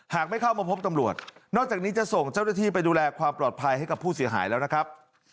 ไม่เข้ามาพบตำรวจนอกจากนี้จะส่งเจ้าหน้าที่ไปดูแลความปลอดภัยให้กับผู้เสียหายแล้วนะครับ